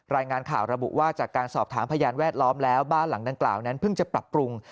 รายงานข่าวระบุว่าจากการสอบถามพยานแวดล้อมแล้วบ้านหลังดังกล่าวนั้นเพิ่งจะปรับปรุง